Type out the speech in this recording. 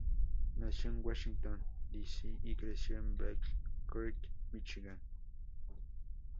Nació en Washington D. C. y creció en Battle Creek, Míchigan.